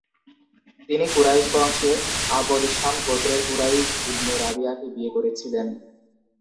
তিনি কুরাইশ বংশের আবদশাম গোত্রের কুরাইজ ইবনে রাবিয়াকে বিয়ে করেছিলেন।